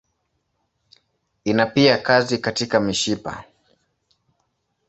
Ina pia kazi katika mishipa.